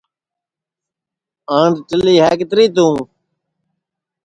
ٕآنٚٹِیلی ہے کِتری تُوں